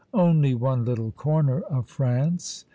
'' Only one little corner of France."